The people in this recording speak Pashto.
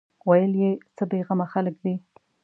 ويې ويل: څه بېغمه خلک دي.